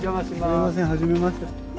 すみません初めまして。